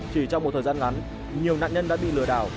chỉ trong một thời gian ngắn nhiều nạn nhân đã bị lừa đảo